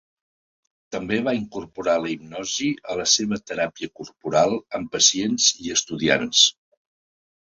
També va incorporar la hipnosi a la seva teràpia corporal amb pacients i estudiants.